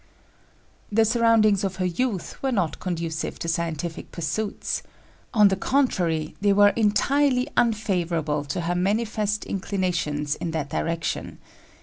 " The surroundings of her youth were not conducive to scientific pursuits. On the contrary, they were entirely unfavorable to her manifest inclinations in that direction.